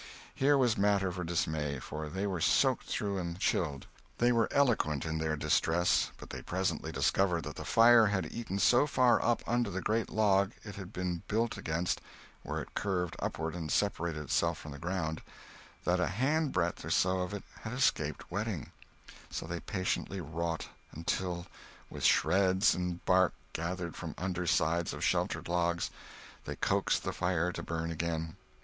Here was matter for dismay, for they were soaked through and chilled. They were eloquent in their distress; but they presently discovered that the fire had eaten so far up under the great log it had been built against (where it curved upward and separated itself from the ground), that a handbreadth or so of it had escaped wetting; so they patiently wrought until, with shreds and bark gathered from the under sides of sheltered logs, they coaxed the fire to burn again.